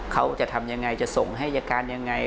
เขาจะทำอย่างไรจะส่งให้ยาการอย่างไร